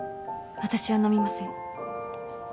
私は飲みません。